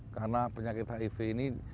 karena penyakit hiv ini